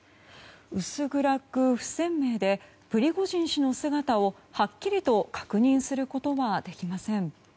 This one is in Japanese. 薄暗く不鮮明でプリゴジン氏の姿をはっきりと確認することはできません。